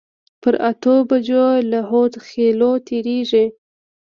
پر اتو بجو له هودخېلو تېرېږي.